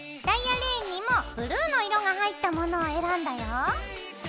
ダイヤレーンにもブルーの色が入ったものを選んだよ。